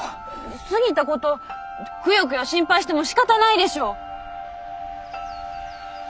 過ぎたことをクヨクヨ心配してもしかたないでしょう。